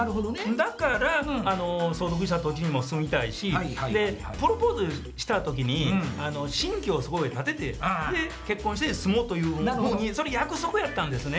だから相続した土地にも住みたいしプロポーズした時に新居をそこへ建ててで結婚して住もうというふうにそれ約束やったんですね。